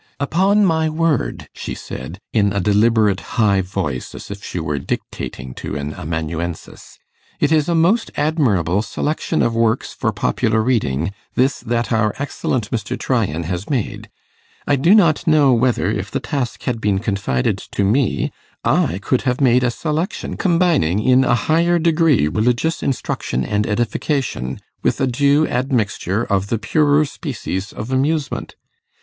'Upon my word,' she said, in a deliberate high voice, as if she were dictating to an amanuensis, 'it is a most admirable selection of works for popular reading, this that our excellent Mr. Tryan has made. I do not know whether, if the task had been confided to me, I could have made a selection, combining in a higher degree religious instruction and edification with a due admixture of the purer species of amusement.